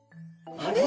あれ？